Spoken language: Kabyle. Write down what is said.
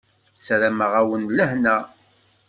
Sarameɣ-awen lehna.